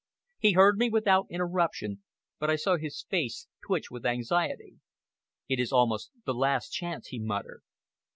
He heard me without interruption, but I saw his face twitch with anxiety. "It is almost the last chance," he muttered.